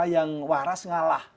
yang waras ngalah